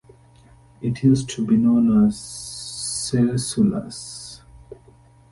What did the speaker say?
It used to be known as "Cesullas".